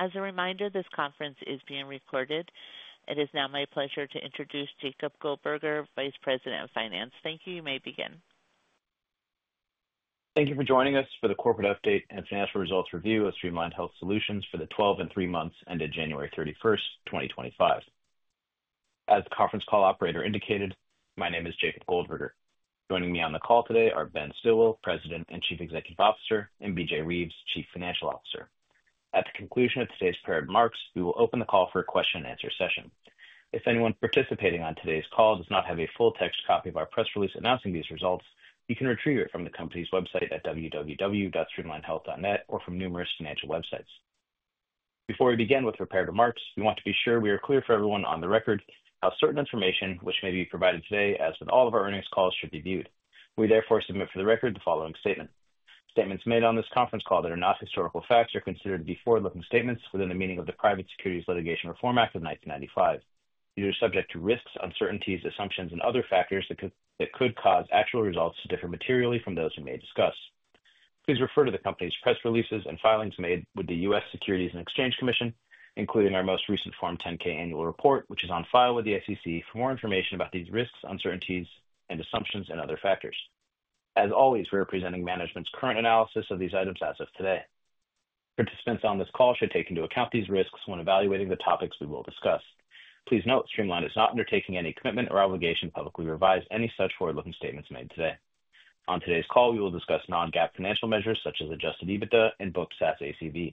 As a reminder, this conference is being recorded. It is now my pleasure to introduce Jacob Goldberger, Vice President of Finance. Thank you. You may begin. Thank you for joining us for the corporate update and financial results review of Streamline Health Solutions for the 12 and 3 months ended January 31, 2025. As the conference call operator indicated, my name is Jacob Goldberger. Joining me on the call today are Ben Stilwill, President and Chief Executive Officer, and B.J. Reeves, Chief Financial Officer. At the conclusion of today's prepared remarks, we will open the call for a question-and-answer session. If anyone participating on today's call does not have a full-text copy of our press release announcing these results, you can retrieve it from the company's website at www.streamlinehealth.net or from numerous financial websites. Before we begin with prepared remarks, we want to be sure we are clear for everyone on the record how certain information, which may be provided today as with all of our earnings calls, should be viewed. We therefore submit for the record the following statement: Statements made on this conference call that are not historical facts are considered to be forward-looking statements within the meaning of the Private Securities Litigation Reform Act of 1995. These are subject to risks, uncertainties, assumptions, and other factors that could cause actual results to differ materially from those we may discuss. Please refer to the company's press releases and filings made with the U.S. Securities and Exchange Commission, including our most recent Form 10-K annual report, which is on file with the SEC for more information about these risks, uncertainties, assumptions, and other factors. As always, we are presenting management's current analysis of these items as of today. Participants on this call should take into account these risks when evaluating the topics we will discuss. Please note Streamline is not undertaking any commitment or obligation to publicly revise any such forward-looking statements made today. On today's call, we will discuss non-GAAP financial measures such as adjusted EBITDA and book size ACV.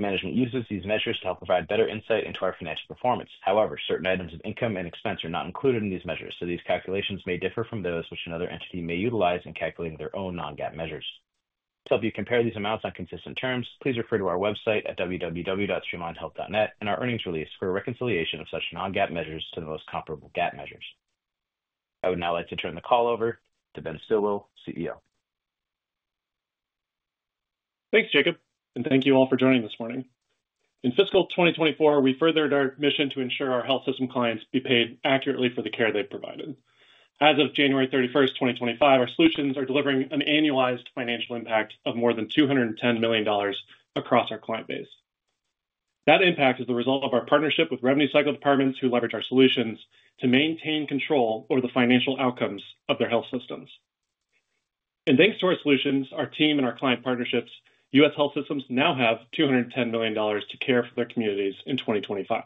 Management uses these measures to help provide better insight into our financial performance. However, certain items of income and expense are not included in these measures, so these calculations may differ from those which another entity may utilize in calculating their own non-GAAP measures. To help you compare these amounts on consistent terms, please refer to our website at www.streamlinehealth.net and our earnings release for a reconciliation of such non-GAAP measures to the most comparable GAAP measures. I would now like to turn the call over to Ben Stilwill, CEO. Thanks, Jacob, and thank you all for joining this morning. In fiscal 2024, we furthered our mission to ensure our health system clients be paid accurately for the care they provided. As of January 31st, 2025, our solutions are delivering an annualized financial impact of more than $210 million across our client base. That impact is the result of our partnership with revenue cycle departments who leverage our solutions to maintain control over the financial outcomes of their health systems. Thanks to our solutions, our team and our client partnerships, U.S. health systems now have $210 million to care for their communities in 2025.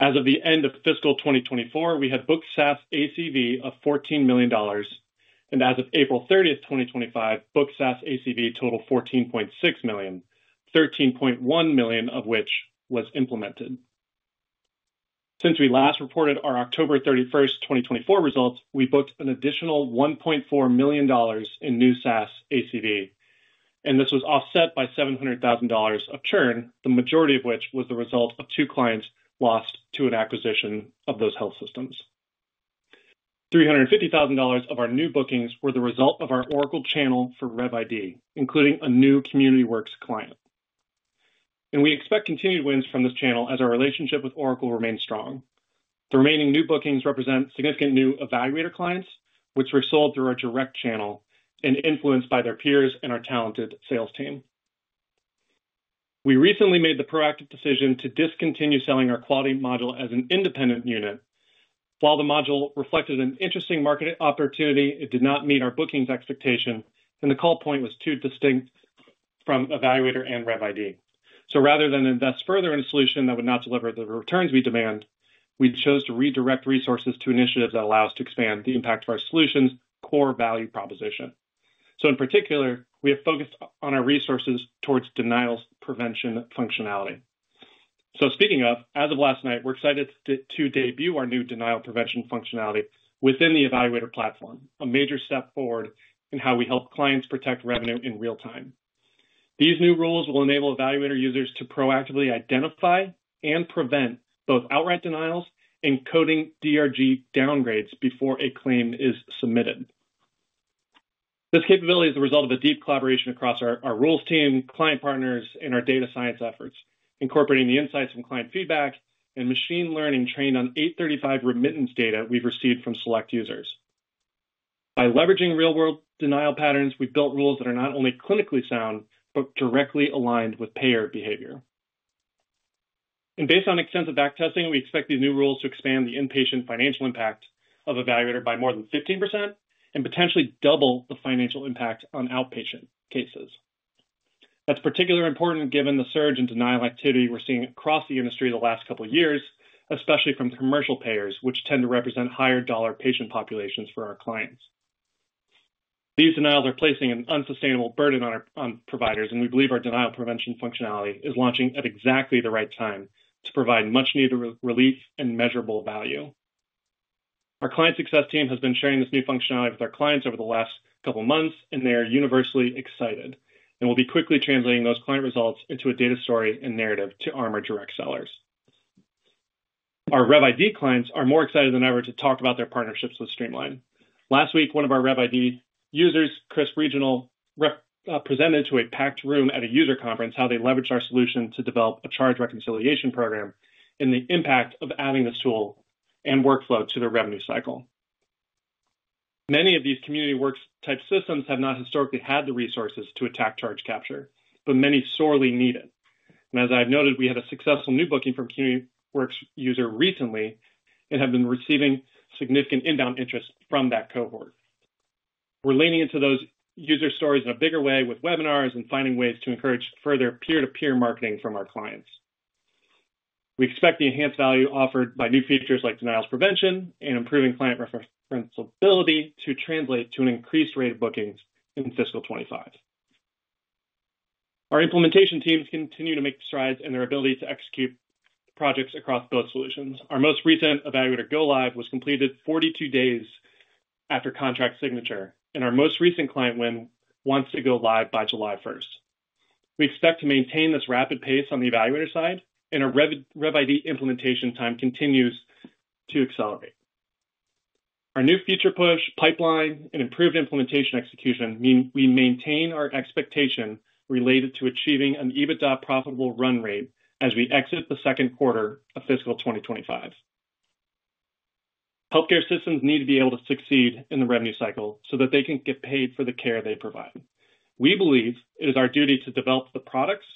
As of the end of fiscal 2024, we had book size ACV of $14 million, and as of April 30th, 2025, book size ACV totaled $14.6 million, $13.1 million of which was implemented. Since we last reported our October 31st, 2024 results, we booked an additional $1.4 million in new size ACV, and this was offset by $700,000 of churn, the majority of which was the result of two clients lost to an acquisition of those health systems. $350,000 of our new bookings were the result of our Oracle channel for RevID, including a new Community Works client. We expect continued wins from this channel as our relationship with Oracle remains strong. The remaining new bookings represent significant new eValuator clients, which were sold through our direct channel and influenced by their peers and our talented sales team. We recently made the proactive decision to discontinue selling our Quality Module as an independent unit. While the module reflected an interesting market opportunity, it did not meet our bookings expectation, and the call point was too distinct from eValuator and RevID. Rather than invest further in a solution that would not deliver the returns we demand, we chose to redirect resources to initiatives that allow us to expand the impact of our solution's core value proposition. In particular, we have focused our resources towards denial prevention functionality. Speaking of, as of last night, we're excited to debut our new denial prevention functionality within the eValuator platform, a major step forward in how we help clients protect revenue in real time. These new rules will enable eValuator users to proactively identify and prevent both outright denials and coding DRG downgrades before a claim is submitted. This capability is the result of a deep collaboration across our rules team, client partners, and our data science efforts, incorporating the insights from client feedback and machine learning trained on 835 remittance data we've received from select users. By leveraging real-world denial patterns, we've built rules that are not only clinically sound but directly aligned with payer behavior. Based on extensive back testing, we expect these new rules to expand the inpatient financial impact of eValuator by more than 15% and potentially double the financial impact on outpatient cases. That is particularly important given the surge in denial activity we're seeing across the industry the last couple of years, especially from commercial payers, which tend to represent higher dollar patient populations for our clients. These denials are placing an unsustainable burden on providers, and we believe our denial prevention functionality is launching at exactly the right time to provide much-needed relief and measurable value. Our client success team has been sharing this new functionality with our clients over the last couple of months, and they are universally excited and will be quickly translating those client results into a data story and narrative to arm our direct sellers. Our RevID clients are more excited than ever to talk about their partnerships with Streamline. Last week, one of our RevID users, Chris Reginald, presented to a packed room at a user conference how they leveraged our solution to develop a charge reconciliation program and the impact of adding this tool and workflow to their revenue cycle. Many of these Community Works-type systems have not historically had the resources to attack charge capture, but many sorely need it. As I've noted, we had a successful new booking from a Community Works user recently and have been receiving significant inbound interest from that cohort. We're leaning into those user stories in a bigger way with webinars and finding ways to encourage further peer-to-peer marketing from our clients. We expect the enhanced value offered by new features like denials prevention and improving client reference ability to translate to an increased rate of bookings in fiscal 2025. Our implementation teams continue to make strides in their ability to execute projects across both solutions. Our most recent eValuator go-live was completed 42 days after contract signature, and our most recent client win wants to go live by July 1st. We expect to maintain this rapid pace on the eValuator side, and our RevID implementation time continues to accelerate. Our new future push pipeline and improved implementation execution mean we maintain our expectation related to achieving an EBITDA profitable run rate as we exit the second quarter of fiscal 2025. Healthcare systems need to be able to succeed in the revenue cycle so that they can get paid for the care they provide. We believe it is our duty to develop the products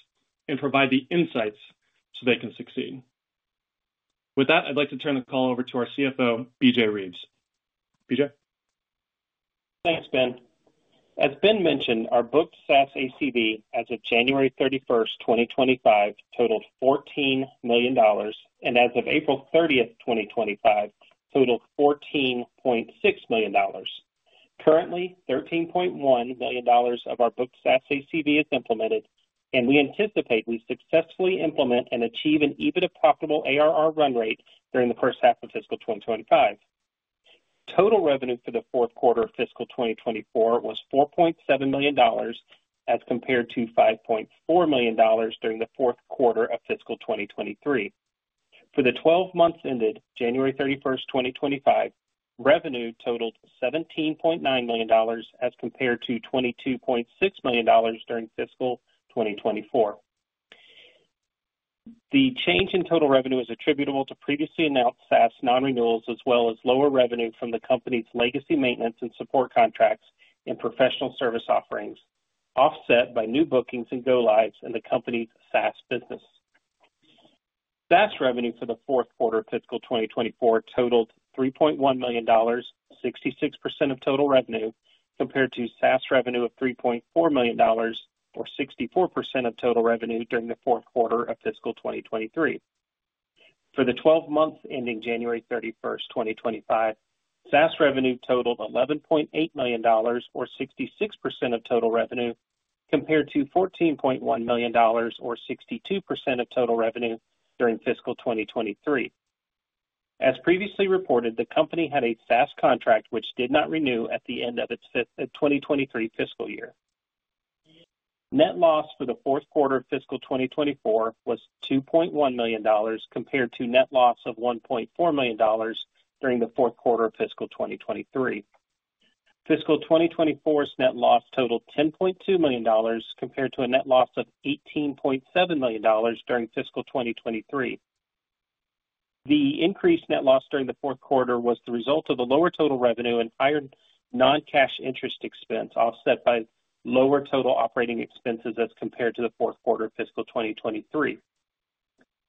and provide the insights so they can succeed. With that, I'd like to turn the call over to our CFO, B.J. Reeves. B.J. Thanks, Ben. As Ben mentioned, our booked size ACV as of January 31st, 2025, totaled $14 million, and as of April 30th, 2025, totaled $14.6 million. Currently, $13.1 million of our booked size ACV is implemented, and we anticipate we successfully implement and achieve an EBITDA profitable ARR run rate during the first half of fiscal 2025. Total revenue for the fourth quarter of fiscal 2024 was $4.7 million as compared to $5.4 million during the fourth quarter of fiscal 2023. For the 12 months ended January 31st, 2025, revenue totaled $17.9 million as compared to $22.6 million during fiscal 2024. The change in total revenue is attributable to previously announced size non-renewals as well as lower revenue from the company's legacy maintenance and support contracts and professional service offerings offset by new bookings and go-lives in the company's size business. Size revenue for the fourth quarter of fiscal 2024 totaled $3.1 million, 66% of total revenue, compared to size revenue of $3.4 million, or 64% of total revenue during the fourth quarter of fiscal 2023. For the 12 months ending January 31st, 2025, size revenue totaled $11.8 million, or 66% of total revenue, compared to $14.1 million, or 62% of total revenue during fiscal 2023. As previously reported, the company had a size contract which did not renew at the end of its 2023 fiscal year. Net loss for the fourth quarter of fiscal 2024 was $2.1 million compared to net loss of $1.4 million during the fourth quarter of fiscal 2023. Fiscal 2024's net loss totaled $10.2 million compared to a net loss of $18.7 million during fiscal 2023. The increased net loss during the fourth quarter was the result of the lower total revenue and higher non-cash interest expense offset by lower total operating expenses as compared to the fourth quarter of fiscal 2023.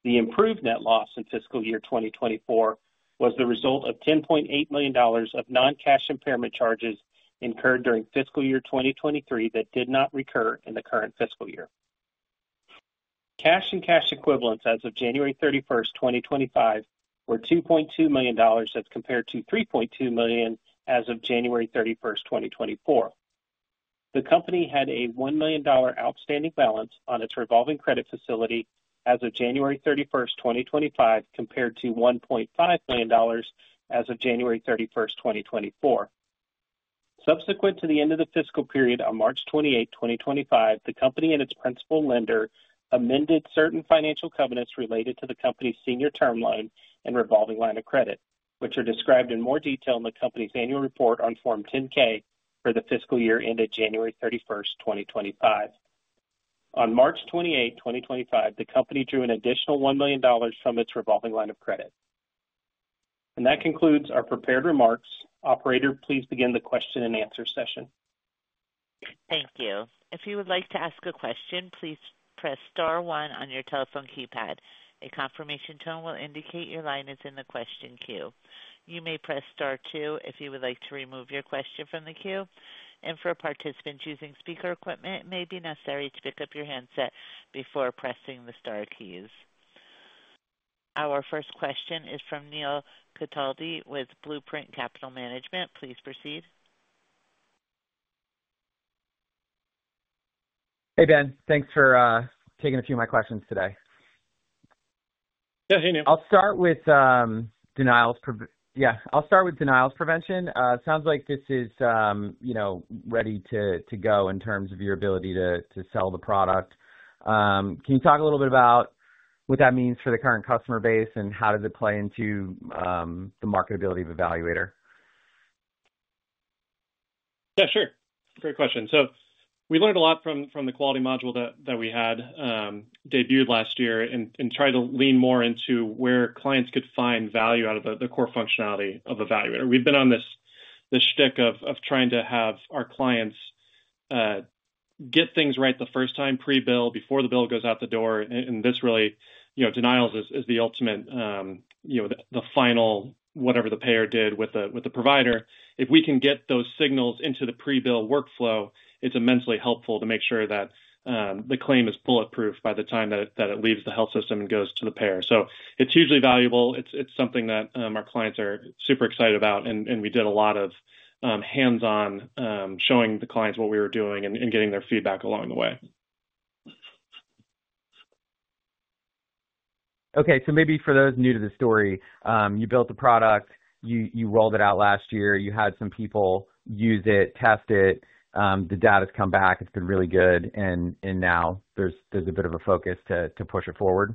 The improved net loss in fiscal year 2024 was the result of $10.8 million of non-cash impairment charges incurred during fiscal year 2023 that did not recur in the current fiscal year. Cash and cash equivalents as of January 31st, 2025, were $2.2 million as compared to $3.2 million as of January 31st, 2024. The company had a $1 million outstanding balance on its revolving credit facility as of January 31st, 2025, compared to $1.5 million as of January 31st, 2024. Subsequent to the end of the fiscal period on March 28th, 2025, the company and its principal lender amended certain financial covenants related to the company's senior term line and revolving line of credit, which are described in more detail in the company's annual report on Form 10-K for the fiscal year ended January 31st, 2025. On March 28th, 2025, the company drew an additional $1 million from its revolving line of credit. That concludes our prepared remarks. Operator, please begin the question and answer session. Thank you. If you would like to ask a question, please press star one on your telephone keypad. A confirmation tone will indicate your line is in the question queue. You may press star two if you would like to remove your question from the queue. For participants using speaker equipment, it may be necessary to pick up your handset before pressing the star keys. Our first question is from Neil Cataldi with Blueprint Capital Management. Please proceed. Hey, Ben. Thanks for taking a few of my questions today. Yeah, hey, Neil. I'll start with denials. Yeah, I'll start with denials prevention. Sounds like this is ready to go in terms of your ability to sell the product. Can you talk a little bit about what that means for the current customer base and how does it play into the marketability of eValuator? Yeah, sure. Great question. We learned a lot from the Quality Module that we had debuted last year and tried to lean more into where clients could find value out of the core functionality of eValuator. We've been on this shtick of trying to have our clients get things right the first time, pre-bill, before the bill goes out the door. This really, denials is the ultimate, the final, whatever the payer did with the provider. If we can get those signals into the pre-bill workflow, it's immensely helpful to make sure that the claim is bulletproof by the time that it leaves the health system and goes to the payer. It's hugely valuable. It's something that our clients are super excited about, and we did a lot of hands-on showing the clients what we were doing and getting their feedback along the way. Okay. Maybe for those new to the story, you built the product, you rolled it out last year, you had some people use it, test it, the data's come back, it's been really good, and now there's a bit of a focus to push it forward.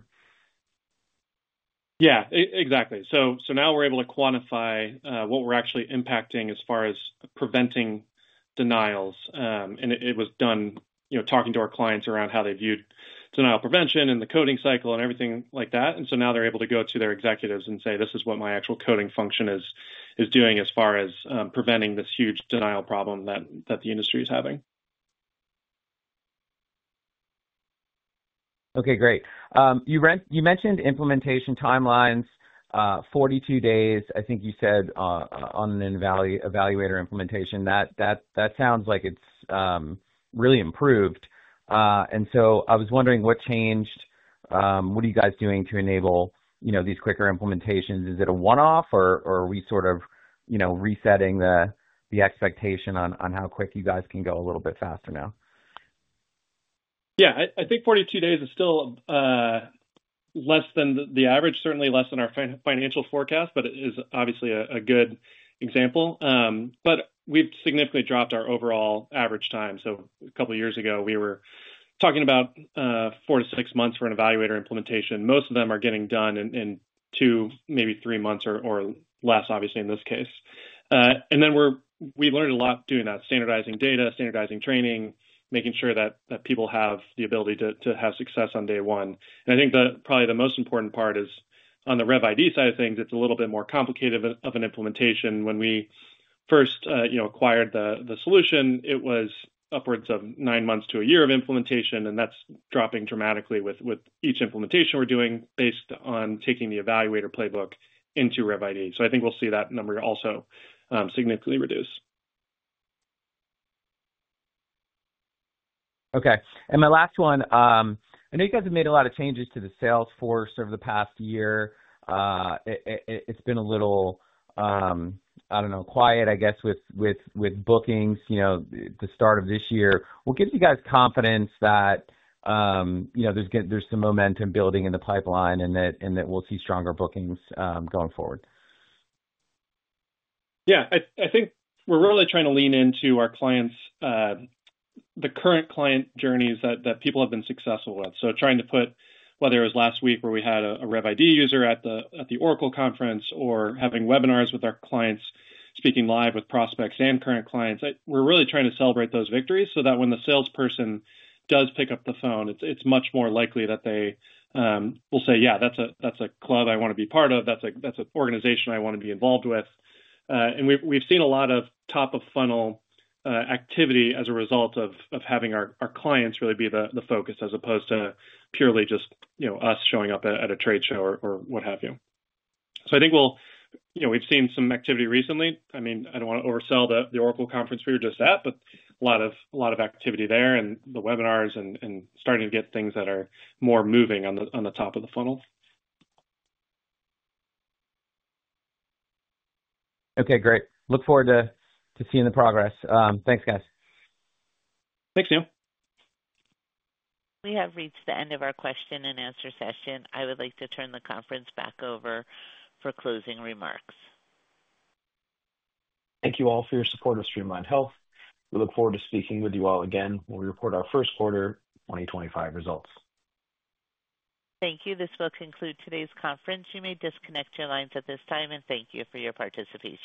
Yeah, exactly. Now we're able to quantify what we're actually impacting as far as preventing denials. It was done talking to our clients around how they viewed denial prevention and the coding cycle and everything like that. Now they're able to go to their executives and say, "This is what my actual coding function is doing as far as preventing this huge denial problem that the industry is having. Okay, great. You mentioned implementation timelines, 42 days, I think you said on an eValuator implementation. That sounds like it's really improved. I was wondering what changed. What are you guys doing to enable these quicker implementations? Is it a one-off, or are we sort of resetting the expectation on how quick you guys can go a little bit faster now? Yeah, I think 42 days is still less than the average, certainly less than our financial forecast, but it is obviously a good example. We have significantly dropped our overall average time. A couple of years ago, we were talking about four to six months for an eValuator implementation. Most of them are getting done in two, maybe three months or less, obviously, in this case. We learned a lot doing that, standardizing data, standardizing training, making sure that people have the ability to have success on day one. I think probably the most important part is on the RevID side of things, it is a little bit more complicated of an implementation. When we first acquired the solution, it was upwards of nine months to a year of implementation, and that is dropping dramatically with each implementation we are doing based on taking the eValuator playbook into RevID. I think we'll see that number also significantly reduce. Okay. My last one, I know you guys have made a lot of changes to the sales force over the past year. It's been a little, I don't know, quiet, I guess, with bookings the start of this year. What gives you guys confidence that there's some momentum building in the pipeline and that we'll see stronger bookings going forward? Yeah, I think we're really trying to lean into our clients, the current client journeys that people have been successful with. Trying to put, whether it was last week where we had a RevID user at the Oracle conference or having webinars with our clients, speaking live with prospects and current clients, we're really trying to celebrate those victories so that when the salesperson does pick up the phone, it's much more likely that they will say, "Yeah, that's a club I want to be part of. That's an organization I want to be involved with." We have seen a lot of top-of-funnel activity as a result of having our clients really be the focus as opposed to purely just us showing up at a trade show or what have you. I think we've seen some activity recently. I mean, I don't want to oversell the Oracle conference we were just at, but a lot of activity there and the webinars and starting to get things that are more moving on the top of the funnel. Okay, great. Look forward to seeing the progress. Thanks, guys. Thanks, Neil. We have reached the end of our question and answer session. I would like to turn the conference back over for closing remarks. Thank you all for your support of Streamline Health. We look forward to speaking with you all again when we report our first quarter 2025 results. Thank you. This will conclude today's conference. You may disconnect your lines at this time, and thank you for your participation.